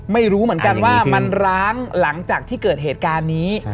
ไม่รู้เหมือนกันว่ามันร้างหลังจากที่เกิดเหตุการณ์นี้